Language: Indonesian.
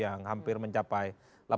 yang hampir mencapai